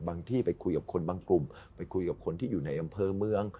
ที่ไปคุยกับคนบางกลุ่มไปคุยกับคนที่อยู่ในอำเภอเมือง